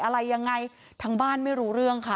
อะไรยังไงทางบ้านไม่รู้เรื่องค่ะ